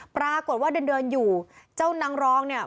ปรากฏว่าเดินเดินอยู่เจ้านางรองเนี่ย